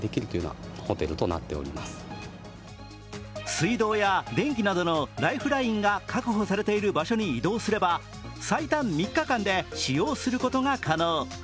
水道や電気などのライフラインが確保されている場所に移動すれば最短３日間で使用することが可能。